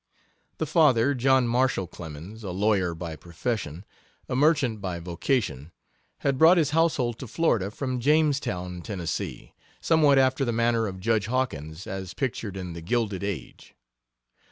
The father, John Marshall Clemens a lawyer by profession, a merchant by vocation had brought his household to Florida from Jamestown, Tennessee, somewhat after the manner of judge Hawkins as pictured in The Gilded Age.